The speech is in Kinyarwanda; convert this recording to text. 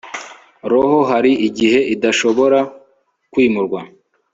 roho hari igihe idashobora kwimurwa